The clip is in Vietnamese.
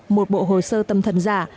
một bộ hồ sơ tâm thần giả